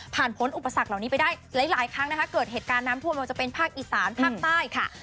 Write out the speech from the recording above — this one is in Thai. ผลอุปสรรคเหล่านี้ไปได้หลายครั้งนะคะเกิดเหตุการณ์น้ำท่วมไม่ว่าจะเป็นภาคอีสานภาคใต้ค่ะ